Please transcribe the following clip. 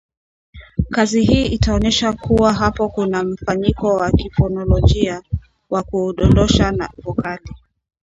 kazi hii itaonyesha kuwa hapo kuna mfanyiko wa kifonolojia wa kudondosha vokali